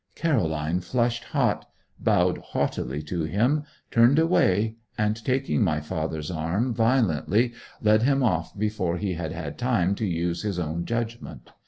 Caroline flushed hot, bowed haughtily to him, turned away, and taking my father's arm violently, led him off before he had had time to use his own judgment.